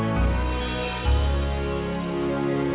sampai jumpa lagi